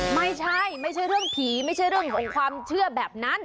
ไม่ใช่ไม่ใช่เรื่องผีไม่ใช่เรื่องของความเชื่อแบบนั้น